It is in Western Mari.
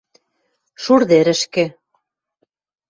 Шур тӹрӹшкӹ